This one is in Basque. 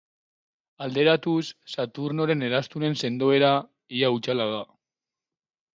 Alderatuz, Saturnoren eraztunen sendoera ia hutsala da.